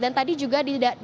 dan tadi juga dihadiri